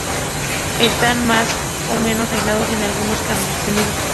Están más o menos aislados y en algunos casos, suspendidos.